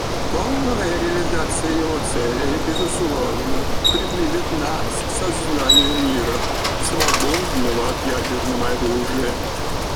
Полная реализация его целей, безусловно, приблизит нас к созданию мира, свободного от ядерного оружия.